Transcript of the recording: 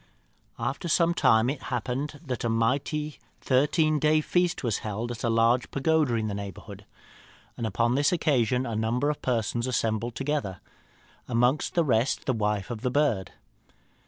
"After some time it happened that a mighty thirteen days' feast was held at a large pagoda in the neighbourhood, and upon this occasion a number of persons assembled together, amongst the rest the wife of the bird.